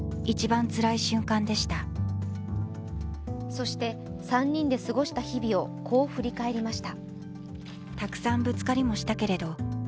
そして３人で過ごした日々をこう振り返りました。